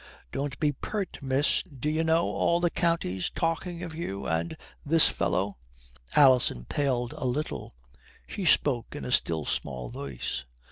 "Don't be pert, miss. D'ye know all the county's talking of you and this fellow?" Alison paled a little. She spoke in a still small voice.